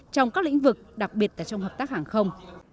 trong các lĩnh vực đặc biệt là trong hợp tác hàng không